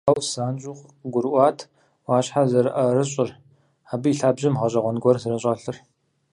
Шмидт Клаус занщӀэу къыгурыӀуат Ӏуащхьэр зэрыӀэрыщӀыр, абы и лъабжьэм гъэщӀэгъуэн гуэр зэрыщӀэлъыр.